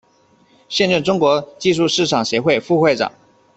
现任中国技术市场协会副会长。